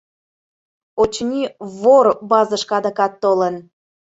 Очыни, вор базышке адакат толын.